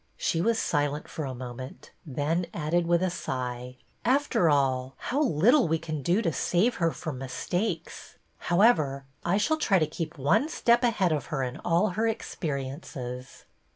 She was silent for a moment, then added, with a sigh: After all, how little we can do to save her from mistakes ! However, I shall try to keep one step ahead of her in all her experiences."